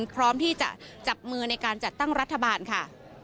พร้อมที่จะจับมือในการจัดตั้งรัฐบาลค่ะ